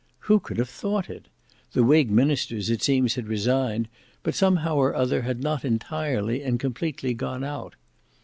Who could have thought it? The whig ministers it seems had resigned, but somehow or other had not entirely and completely gone out.